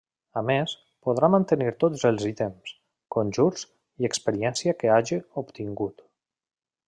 A més, podrà mantenir tots els ítems, conjurs i experiència que hagi obtingut.